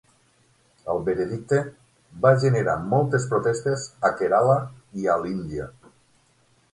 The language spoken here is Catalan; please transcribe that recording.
El veredicte va generar moltes protestes a Kerala i a l'Índia.